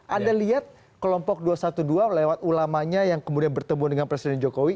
anda lihat kelompok dua ratus dua belas lewat ulamanya yang kemudian bertemu dengan presiden jokowi